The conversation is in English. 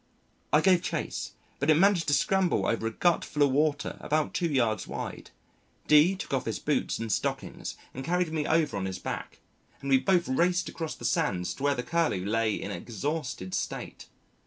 I gave chase, but it managed to scramble over a gut full of water about two yards wide. D took off his boots and stockings and carried me over on his back, and we both raced across the sands to where the Curlew lay in an exhausted state.